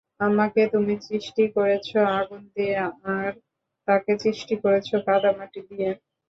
আমাকে তুমি সৃষ্টি করেছ আগুন দিয়ে আর তাকে সৃষ্টি করেছ কাদা মাটি দিয়ে।